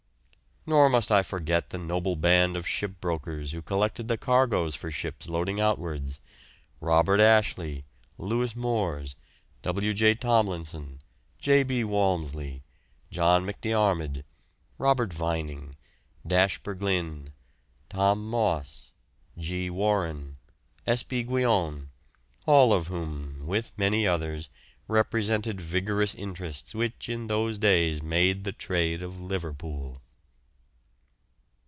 Nor must I forget the noble band of shipbrokers who collected the cargoes for ships loading outwards: Robert Ashley, Louis Mors, W. J. Tomlinson, J. B. Walmsley, John McDiarmid, Robert Vining, Dashper Glynn, Tom Moss, G. Warren, S. B. Guion, all of whom, with many others, represented vigorous interests which in those days made the trade of Liverpool.